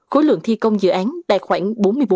khối lượng thi công dự án đạt khoảng bốn mươi bốn